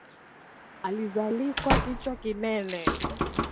Alizalikwa kichwa kinene